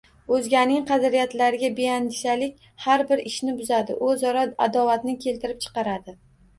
O‘zganing qadriyatlariga beandishalik har bir ishni buzadi, o‘zaro adovatni keltirib chiqaradi...